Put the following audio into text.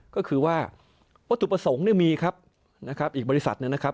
ก็คือว่าวัตถุประสงค์เนี่ยมีครับนะครับอีกบริษัทเนี่ยนะครับ